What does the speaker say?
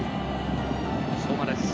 相馬です。